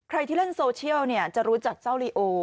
ใครที่เล่นโซเชียลเนี่ยจะรู้จักเจ้าลิโอ